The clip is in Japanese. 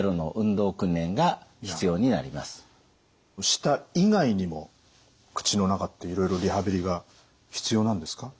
舌以外にも口の中っていろいろリハビリが必要なんですか？